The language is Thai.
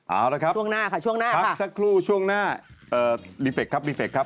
เอาละครับพักสักครู่ช่วงหน้าช่วงหน้าค่ะครับครับ